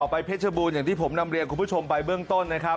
ไปเพชรบูรณ์อย่างที่ผมนำเรียนคุณผู้ชมไปเบื้องต้นนะครับ